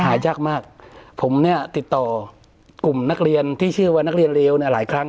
หายากมากผมเนี่ยติดต่อกลุ่มนักเรียนที่ชื่อว่านักเรียนเลวเนี่ยหลายครั้ง